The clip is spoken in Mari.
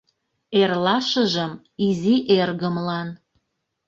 Эрлашыжым — изи эргымлан.